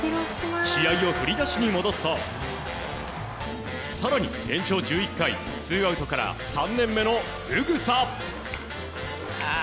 試合を振り出しに戻すと更に、延長１１回ツーアウトから３年目の宇草。